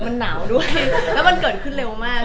มันหนาวด้วยแล้วมันเกิดขึ้นเร็วมาก